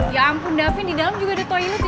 ya ampun davin di dalam juga ada toilet ya